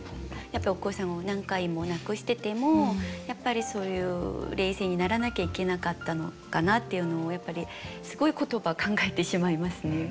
やっぱりお子さんを何回も亡くしててもそういう冷静にならなきゃいけなかったのかなっていうのをやっぱりすごい言葉考えてしまいますね。